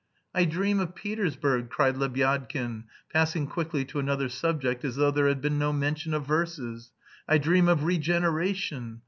"I dream of Petersburg," cried Lebyadkin, passing quickly to another subject, as though there had been no mention of verses. "I dream of regeneration....